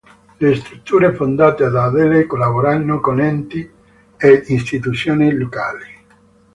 Le strutture, fondate da Adele, collaborano con enti ed istituzioni locali.